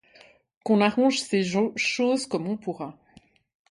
Qu'on arrange ces choses comme on pourra.